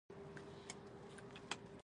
ملي صنعت بیا رغونې قانون یوه مهمه موضوع وه.